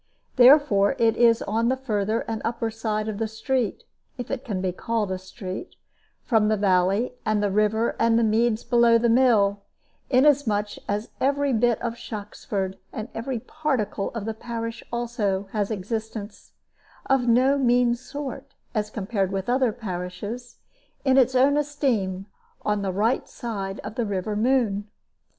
Therefore it is on the further and upper side of the street if it can be called a street from the valley and the river and the meads below the mill, inasmuch as every bit of Shoxford, and every particle of the parish also, has existence of no mean sort, as compared with other parishes, in its own esteem on the right side of the river Moon.